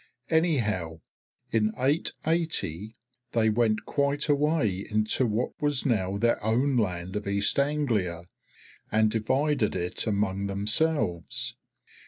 Anyhow, in 880 they went quite away into what was now their own land of East Anglia, and divided it among themselves.